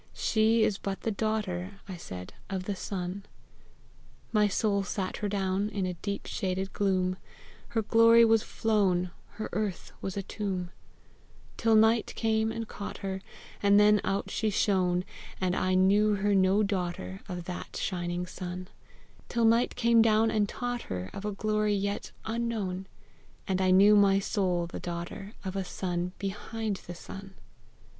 She is but the daughter," I said, "of the sun!" My soul sat her down In a deep shaded gloom; Her glory was flown, Her earth was a tomb, Till night came and caught her, And then out she shone; And I knew her no daughter Of that shining sun Till night came down and taught her Of a glory yet unknown; And I knew my soul the daughter Of a sun behind the sun.